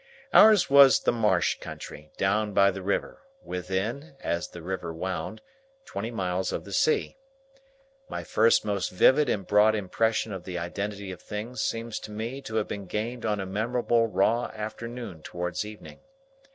Ours was the marsh country, down by the river, within, as the river wound, twenty miles of the sea. My first most vivid and broad impression of the identity of things seems to me to have been gained on a memorable raw afternoon towards evening.